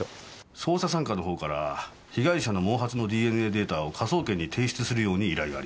捜査三課のほうから被害者の毛髪のＤＮＡデータを科捜研に提出するように依頼がありました。